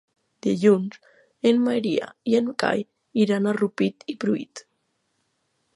Dilluns en Maria i en Cai iran a Rupit i Pruit.